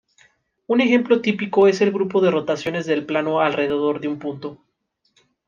Un ejemplo típico es el grupo de rotaciones del plano alrededor de un punto.